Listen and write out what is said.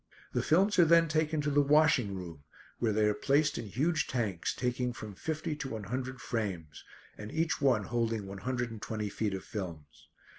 The films are then taken to the washing room, where they are placed in huge tanks, taking from fifty to one hundred frames, and each one holding one hundred and twenty feet of films.